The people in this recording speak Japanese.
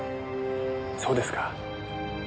そうですか。